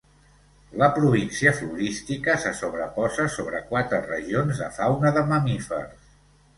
La província florística se sobreposa sobre quatre regions de fauna de mamífers.